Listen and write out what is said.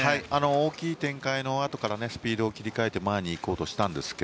大きい展開のあとからスピードを切り替えて前に行こうとしたんですが。